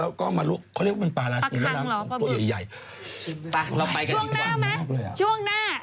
แล้วก็มารู้พาลาราชินีแม่น้ำของตัวใหญ่ช่วงหน้าไหม